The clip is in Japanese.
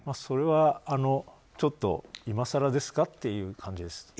それはちょっと今更ですかという感じです。